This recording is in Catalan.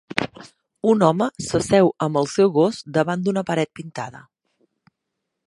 Un home s'asseu amb el seu gos davant d'una paret pintada.